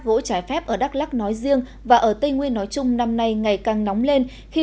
gỗ trái phép ở đắk lắc nói riêng và ở tây nguyên nói chung năm nay ngày càng nóng lên khi